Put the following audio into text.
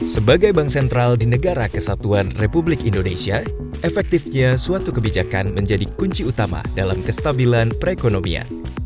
sebagai bank sentral di negara kesatuan republik indonesia efektifnya suatu kebijakan menjadi kunci utama dalam kestabilan perekonomian